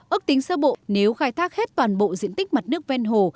ước tính sơ bộ nếu khai thác hết toàn bộ diện tích mặt nước ven hồ